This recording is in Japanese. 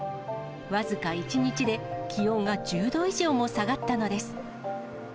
僅か１日で、気温が１０度以上も下がったのです。